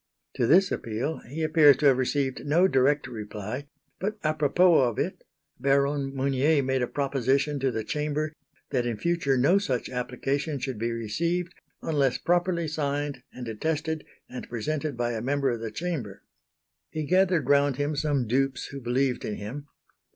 To this appeal he appears to have received no direct reply; but apropos of it, Baron Mounier made a proposition to the Chamber that in future no such application should be received unless properly signed and attested and presented by a member of the Chamber. He gathered round him some dupes who believed in him.